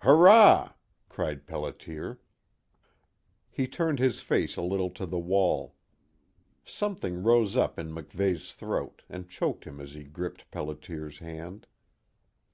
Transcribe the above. "Hurrah!" cried Pelliter. He turned his face a little to the wall. Something rose up in MacVeigh's throat and choked him as he gripped Pelliter's hand.